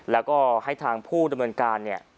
แล้วก็ให้ทางผู้ดำเนินการเนี่ย